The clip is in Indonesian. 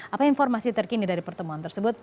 apa informasi terkini dari pertemuan tersebut